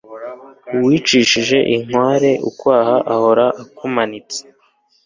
uwicishije inkware ukwaha ahora akumanitse